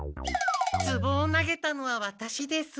ツボを投げたのはワタシです。